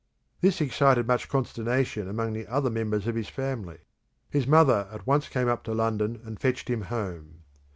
This excited much consternation among the other members of his family. His mother at once came up to London and fetched him home.